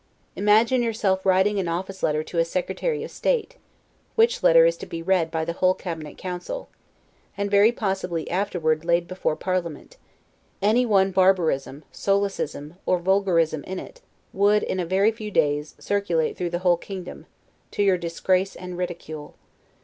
Imagine yourself writing an office letter to a secretary of state, which letter is to be read by the whole Cabinet Council, and very possibly afterward laid before parliament; any one barbarism, solecism, or vulgarism in it, would, in a very few days, circulate through the whole kingdom, to your disgrace and ridicule.